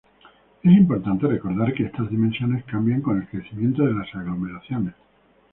Es importante recordar que estas dimensiones cambian con el crecimiento de las aglomeraciones.